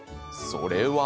それは。